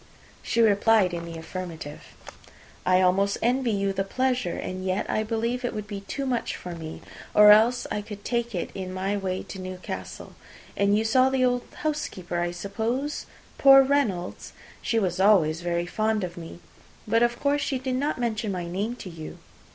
She replied in the affirmative. "I almost envy you the pleasure, and yet I believe it would be too much for me, or else I could take it in my way to Newcastle. And you saw the old housekeeper, I suppose? Poor Reynolds, she was always very fond of me. But of course she did not mention my name to you."